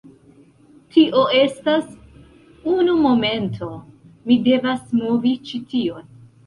Tio estas… unu momento, mi devas movi ĉi tion.